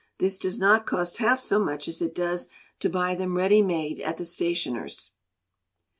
This does not cost half so much as it does to buy them ready made at the stationer's.